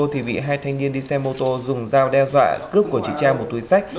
thì bị hai thanh niên đi xe mô tô dùng dao đe dọa cướp của chị trang một túi sách